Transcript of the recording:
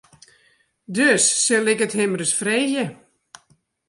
Dus sil ik it him ris freegje.